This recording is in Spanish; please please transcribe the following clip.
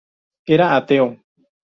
Era ateo.